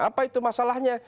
apa itu masalahnya